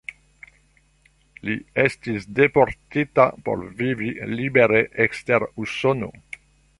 Li estis deportita por vivi libere ekster Usono.